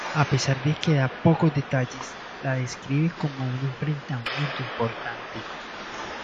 A pesar de que da pocos detalles, la describe como un enfrentamiento importante.